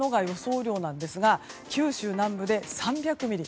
雨量ですが九州南部で３００ミリ。